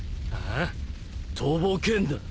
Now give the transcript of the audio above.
とぼけんな。